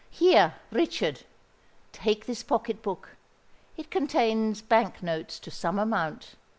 Here, Richard—take this pocket book: it contains bank notes to some amount.